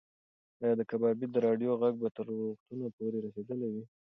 ایا د کبابي د راډیو غږ به تر روغتونه پورې رسېدلی وي؟